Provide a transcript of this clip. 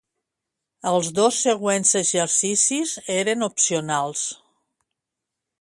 Els dos següents exercicis eren opcionals.